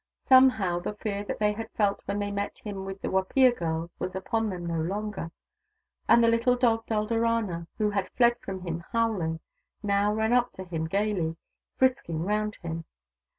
Somehow, the fear that they had felt when they met him with the Wapiya girls was upon them no longer : and the little dog Dulderana, who had fled from him howling, now ran up to him gaily, frisking round him.